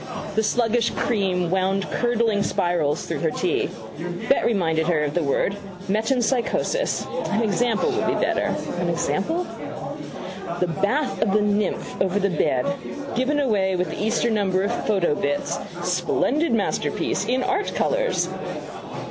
The sluggish cream wound curdling spirals through her tea. Better remind her of the word: metempsychosis. An example would be better. An example? The Bath of the Nymph over the bed. Given away with the Easter number of Photo Bits: Splendid masterpiece in art colours.